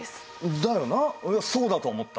だよなそうだと思った。